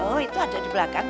oh itu ada di belakang